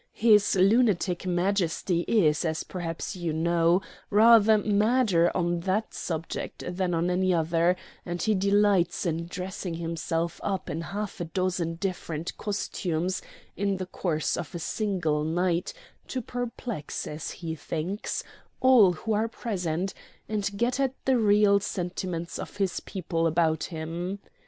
His lunatic Majesty is, as perhaps you know, rather madder on that subject than on any other; and he delights in dressing himself up in half a dozen different costumes in the course of a single night to perplex, as he thinks, all who are present, and get at the real sentiments of his people about him.